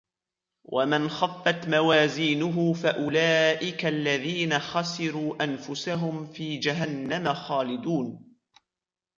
وَمَنْ خَفَّتْ مَوَازِينُهُ فَأُولَئِكَ الَّذِينَ خَسِرُوا أَنْفُسَهُمْ فِي جَهَنَّمَ خَالِدُونَ